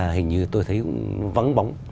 hình như tôi thấy vắng bóng